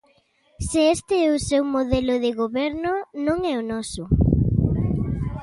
Se este é o seu modelo de goberno, non é o noso.